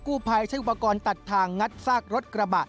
ผู้ภัยใช้อุปกรณ์ตัดทางงัดซากรถกระบะ